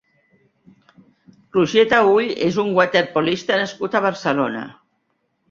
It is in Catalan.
Roger Tahull és un waterpolista nascut a Barcelona.